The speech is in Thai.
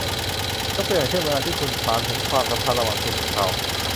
ยกตัวอย่างเช่น เวลาที่คุณถามถึงความสัมพันธ์ระหว่างคุณกับเขา